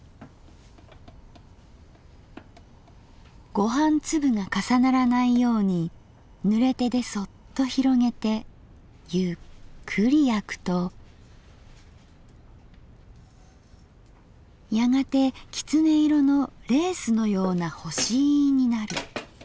「ご飯粒が重ならないように濡れ手でそっと拡げてゆっくり焼くとやがて狐色のレースのような干飯になる」。